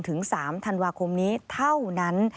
ถึง๓ธันวาคมนี้เท่านั้น